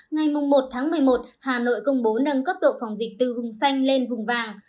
ngày một tháng một mươi một hà nội công bố nâng cấp độ phòng dịch từ vùng xanh lên vùng vàng